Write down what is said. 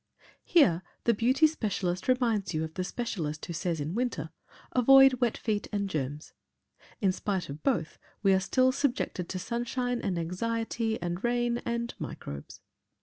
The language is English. Here, the beauty specialist reminds you of the specialist who says in winter, "Avoid wet feet and germs." In spite of both, we are still subjected to sunshine and anxiety and rain and microbes.